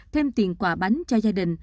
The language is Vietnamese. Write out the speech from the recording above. thêm tiền quà bánh cho gia đình